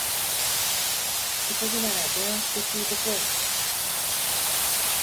急ぎなら電話して聞いてこい